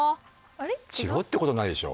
違うってことないでしょ。